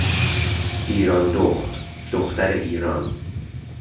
ایراندخت، دختر ایران